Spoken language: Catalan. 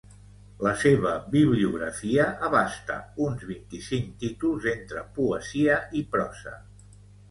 La seva bibliografia abasta uns vint-i-cinc títols, entre poesia i prosa.